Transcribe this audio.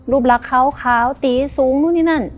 รักขาวตีสูงนู่นนี่นั่น